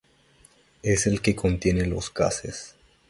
Es el que contiene los gases.